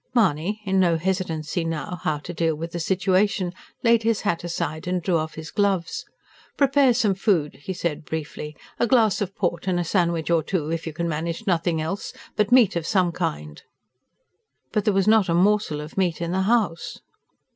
Mahony, in no hesitancy now how to deal with the situation, laid his hat aside and drew off his gloves. "Prepare some food," he said briefly. "A glass of port and a sandwich or two, if you can manage nothing else but meat of some kind." But there was not a morsel of meat in the house.